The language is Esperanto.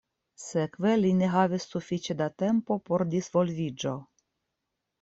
Sekve li ne havis sufiĉe da tempo por disvolviĝo.